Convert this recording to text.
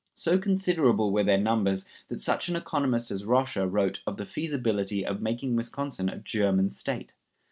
So considerable were their numbers that such an economist as Roscher wrote of the feasibility of making Wisconsin a German State.